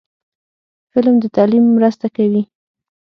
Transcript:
فلم د تعلیم مرسته کوي